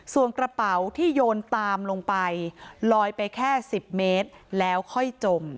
ส่วนกระเป๋าที่โยนตามลงไปลอยไปแค่๑๐เมตรแล้วค่อยจม